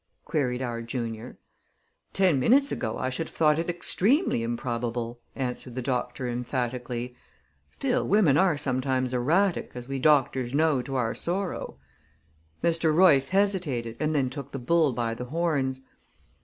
queried our junior. "Ten minutes ago, I should have thought it extremely improbable," answered the doctor emphatically. "Still, women are sometimes erratic, as we doctors know to our sorrow." Mr. Royce hesitated, and then took the bull by the horns.